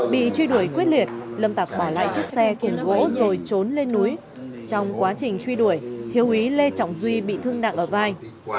bị truy đuổi quyết liệt lâm tạc bỏ lại chiếc xe cùng gỗ rồi trốn lên núi trong quá trình truy đuổi thiếu úy lê trọng duy bị thương nặng ở vai